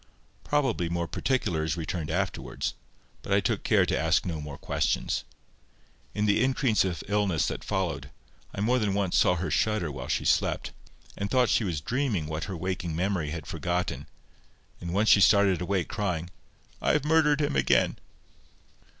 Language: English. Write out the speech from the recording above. Probably more particulars returned afterwards, but I took care to ask no more questions. In the increase of illness that followed, I more than once saw her shudder while she slept, and thought she was dreaming what her waking memory had forgotten; and once she started awake, crying, "I have murdered him again."